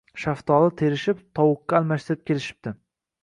Shaftoli terishib, tovuqqa almashtirib kelishibdi